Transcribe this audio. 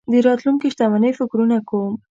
د راتلونکې شتمنۍ فکرونه کوم.